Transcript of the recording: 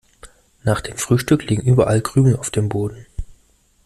Nach dem Frühstück liegen überall Krümel auf dem Boden.